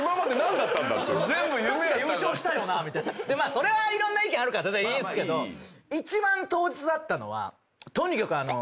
それはいろんな意見あるから全然いいんすけど一番当日あったのはとにかく井口が。